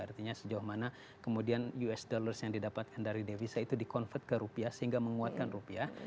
artinya sejauh mana kemudian us dollars yang didapatkan dari devisa itu di convert ke rupiah sehingga menguatkan rupiah